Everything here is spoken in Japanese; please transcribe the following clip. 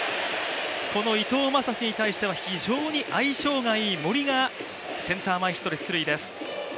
この伊藤将司に対しては非常に相性のいい森がセンター前ヒットで出塁です。